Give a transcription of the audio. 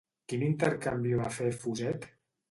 Quin intercanvi va fer Fuset?